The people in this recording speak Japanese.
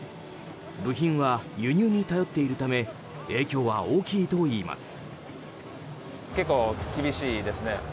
部品は輸入に頼っているため影響は大きいといいます。